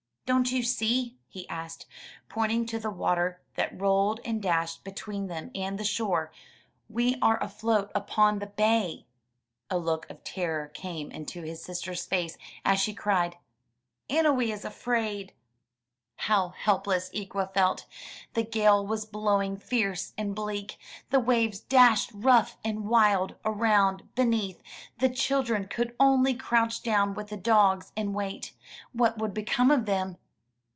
''Don't you see?" he asked, pointing to the water that rolled and dashed between them and the shore, "we are afloat upon the bay." A look of terror came into his sister's face as she cried, "Annowee is afraid!" How helpless Ikwa felt! The gale was blowing fierce and bleak. The waves dashed rough and wild, around, beneath. The children could only crouch down with the dogs and wait. What would become of them?